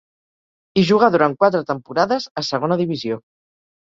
Hi jugà durant quatre temporades, a segona divisió.